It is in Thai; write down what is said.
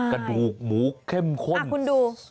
กระดูกหมูเข้มข้น